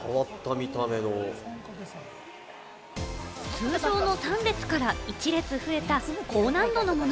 通常の３列から１列増えた高難度のもの。